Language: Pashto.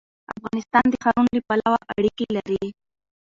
افغانستان د ښارونو له پلوه اړیکې لري.